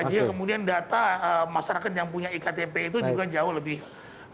sehingga kemudian data masyarakat yang punya iktp itu juga jauh lebih